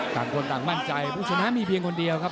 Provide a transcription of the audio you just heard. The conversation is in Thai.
ต่างคนต่างมั่นใจผู้ชนะมีเพียงคนเดียวครับ